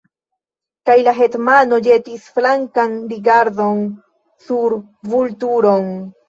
Kaj la hetmano ĵetis flankan rigardon sur Vulturon.